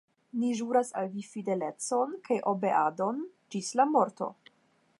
Ni ĵuras al vi fidelecon kaj obeadon ĝis la morto!